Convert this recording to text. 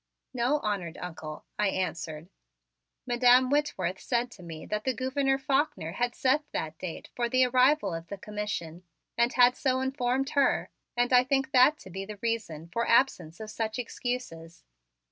"No, honored Uncle," I answered. "Madam Whitworth said to me that the Gouverneur Faulkner had set that date for the arrival of the Commission, and had so informed her; and I think that to be the reason for absence of such excuses."